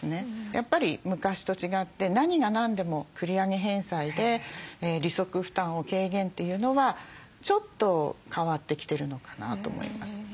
やっぱり昔と違って何が何でも繰り上げ返済で利息負担を軽減というのはちょっと変わってきてるのかなと思います。